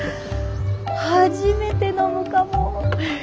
初めて飲むかも。